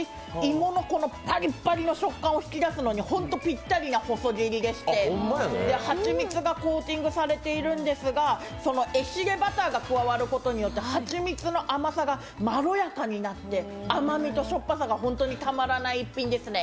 芋のパリパリの食感を引き出すのに本当にぴったりな細切りでして、蜂蜜がコーティングされているんですがそのエシレバターが加わることにによって蜂蜜の甘さがまろやかになって甘みとしょっぱさが本当にたまらない一品ですね。